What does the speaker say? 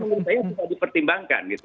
itu yang saya juga dipertimbangkan gitu